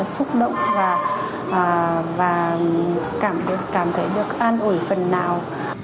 cảm thấy được an ủi phần nào